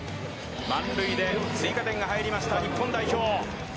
満塁で追加点が入りました日本代表。